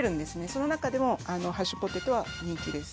その中でもハッシュポテトは人気です。